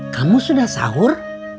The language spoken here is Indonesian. kamu sudah sahur